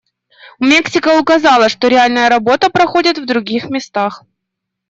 Мексика указала, что реальная работа проходит в других местах.